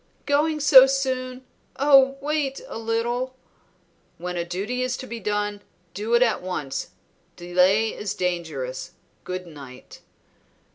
"Going so soon? Oh, wait a little!" "When a duty is to be done, do it at once; delay is dangerous. Good night."